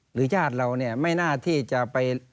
ญาติเราเนี่ยไม่น่าที่จะไป